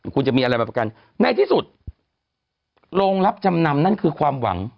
คุณจะมีอะไรมาประกันในที่สุดโรงรับจำนำนั่นคือความหวัง